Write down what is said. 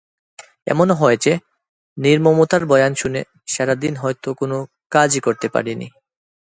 এমনও হয়েছে, নির্মমতার বয়ান শুনে সারা দিন হয়তো কোনো কাজই করতে পারিনি।